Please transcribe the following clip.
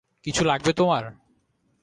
কিছু লাগবে তোমার?